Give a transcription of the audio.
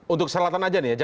untuk selatan aja nih ya